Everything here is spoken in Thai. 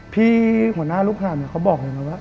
พี่หัวหน้าลูกห่านเขาบอก